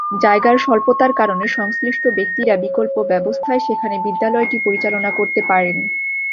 জায়গার স্বল্পতার কারণে সংশ্লিষ্ট ব্যক্তিরা বিকল্প ব্যবস্থায় সেখানে বিদ্যালয়টি পরিচালনা করতে পারেন।